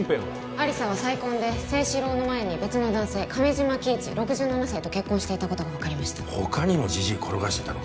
亜理紗は再婚で征四郎の前に別の男性亀島喜一６７歳と結婚していたことが分かりましたほかにもジジイ転がしてたのかよ